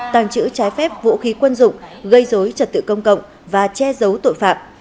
tàng trữ trái phép vũ khí quân dụng gây dối trật tự công cộng và che giấu tội phạm